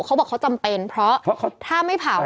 เขาบอกเขาจำเป็นเพราะถ้าไม่เผา